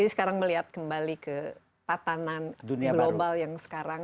sekarang melihat kembali ke tatanan global yang sekarang